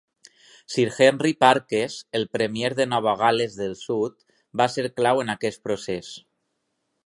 Sir Henry Parkes, el premier de Nova Gal·les del Sud, va ser clau en aquest procés.